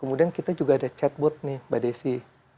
kemudian kita juga ada chatbot nih mbak desi